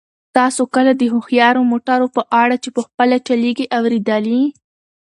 تاسو کله د هوښیارو موټرو په اړه چې په خپله چلیږي اورېدلي؟